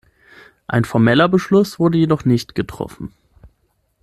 Ein formeller Beschluss wurde jedoch nicht getroffen.